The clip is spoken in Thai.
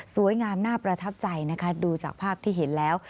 งามน่าประทับใจนะคะดูจากภาพที่เห็นแล้ว